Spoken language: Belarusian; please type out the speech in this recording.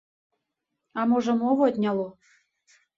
А можа, мову адняло?